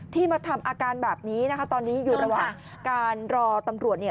มาทำอาการแบบนี้นะคะตอนนี้อยู่ระหว่างการรอตำรวจเนี่ย